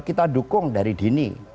kita dukung dari dini